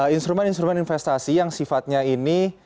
instrumen instrumen investasi yang sifatnya ini